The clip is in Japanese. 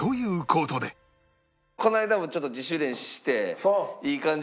この間もちょっと自主練して。